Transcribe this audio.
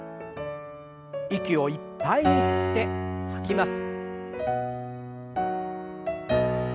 息をいっぱいに吸って吐きます。